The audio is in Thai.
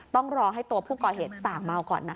ต้องรอให้ตัวผู้ก่อเหตุสั่งเมาก่อนนะ